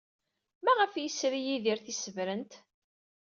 Maɣef ay yesri Yidir tisebrent?